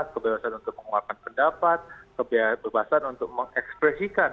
kebebasan untuk menguapkan pendapat kebebasan untuk mengekspresikan